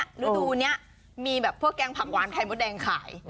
ฤดูนี้มีแบบพวกแกงผักหวานไข่มดแดงขาย